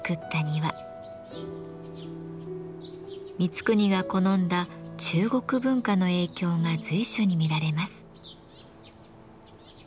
光圀が好んだ中国文化の影響が随所に見られます。